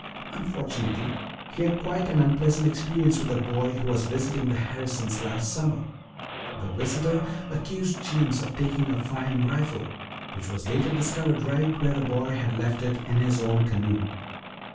Unfortunately he had quite an unpleasant experience with a boy who was visiting the Harrisons last summer. The visitor accused Jeems of taking a fine rifle which was later discovered right where the boy had left it in his own canoe.